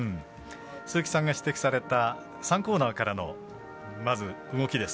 鈴木さんが指摘された３コーナーからのまず、動きです。